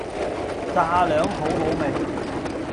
炸両好好味